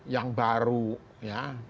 yang baru ya